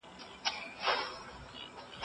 پوهان به خپل علم د خبرو د لارې ونه لېږدوي.